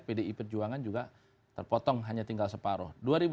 pdi perjuangan juga terpotong hanya tinggal separoh